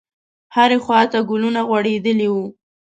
هرې خواته ګلونه غوړېدلي وو.